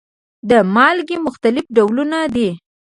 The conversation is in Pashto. د مالګې مختلف ډولونه دي.